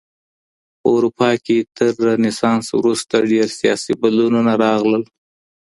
په اروپا کي تر رنسانس وروسته ډېر سياسي بدلونونه راغلل.